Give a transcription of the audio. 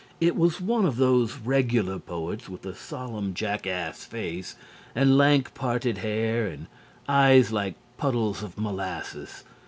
It was one of those regular poets with a solemn jackass face, and lank parted hair and eyes like puddles of molasses.